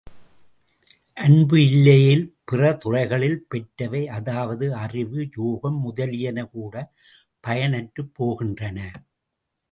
அன்பு இல்லையேல் பிறதுறைகளில் பெற்றவை அதாவது அறிவு, யோகம் முதலியன கூட பயனற்றுப் போகின்றன.